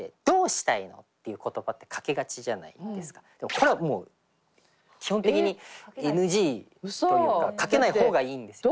これはもう基本的にＮＧというかかけない方がいいんですよね。